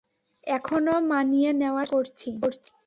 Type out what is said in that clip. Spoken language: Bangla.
এখনও মানিয়ে নেওয়ার চেষ্টা করছি।